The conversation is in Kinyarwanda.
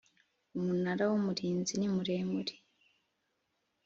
Umunara w’ Umurinzi nimuremure.